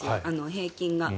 平均が。